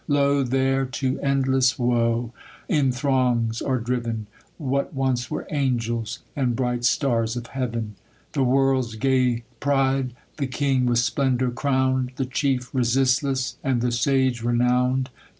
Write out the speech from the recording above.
Lo, there to endless woe in throngs are driven, What once were angels, and briglu stars of heaven ! The world's gay pride ! the king with splendor crown'd f The chief resistless, and the sage renown'd